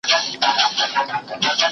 کومې کلمې د انسان په زړه ژوره اغېزه کوي؟